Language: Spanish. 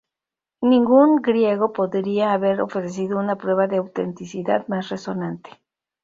Ningún griego podía haber ofrecido una prueba de autenticidad más resonante.